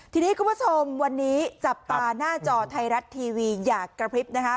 ทีนี้คุณผู้ชมวันนี้จับตาหน้าจอไทยรัฐทีวีอยากกระพริบนะคะ